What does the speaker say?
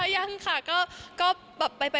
ยังค่ะค่ะก็ไปมา